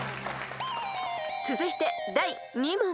［続いて第２問］